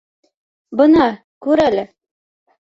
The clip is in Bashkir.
Бына күр әле!